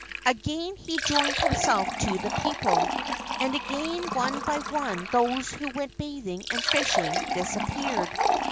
Again he joined himself to the people, and again one by one those who went bathing and fishing disappeared.